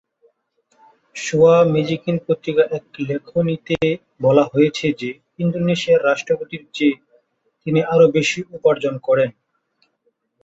সোয়া magazine পত্রিকায় এক লেখনীতে বলা হয়েছে যে, ইন্দোনেশিয়ার রাষ্ট্রপতির চেয়ে তিনি আরও বেশি উপার্জন করেন।